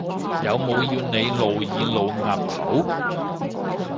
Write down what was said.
有冇要你露耳露額頭？